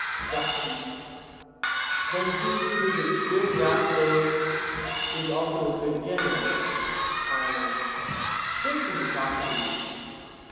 SOCRATES: Then he who is a good rhapsode is also a good general? ION: Certainly, Socrates.